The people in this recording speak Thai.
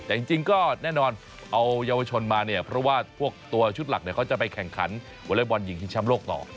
แต่จริงก็แน่นอนเอาเยาวชนมาเนี่ยเพราะว่าพวกตัวชุดหลักเนี่ยเขาจะไปแข่งขันวอเล็กบอลหญิงชิงช้ำโลกต่อ